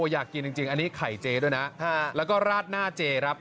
อยากกินจริงอันนี้ไข่เจด้วยนะแล้วก็ราดหน้าเจครับ